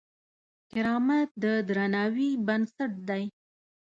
کرامت د درناوي بنسټ دی.